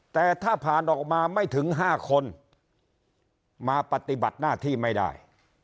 แต่ถ้าผ่านออกมาไม่ถึง๕คนมาปฏิบัติหน้าที่ไม่ได้